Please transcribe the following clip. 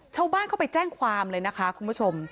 ชาวบ้านเข้าไปแจ้งความเลยนะคะคุณผู้ชม